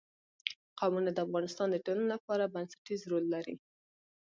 قومونه د افغانستان د ټولنې لپاره بنسټيز رول لري.